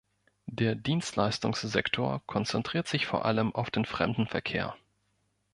Der Dienstleistungssektor konzentriert sich vor allem auf den Fremdenverkehr.